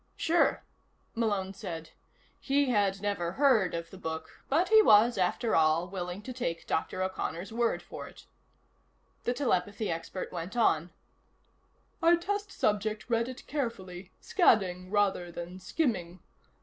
"Sure," Malone said. He had never heard of the book, but he was, after all, willing to take Dr. O'Connor's word for it. The telepathy expert went on: "Our test subject read it carefully, scanning rather than skimming.